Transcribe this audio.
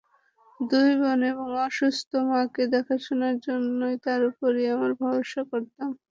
দুই বোন এবং অসুস্থ মাকে দেখাশোনার জন্য তার ওপরই আমরা ভরসা করতাম।